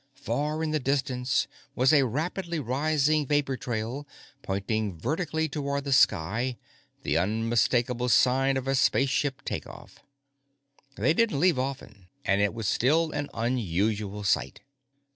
Far in the distance was a rapidly rising vapor trail, pointing vertically toward the sky, the unmistakable sign of a spaceship takeoff. They didn't leave often, and it was still an unusual sight.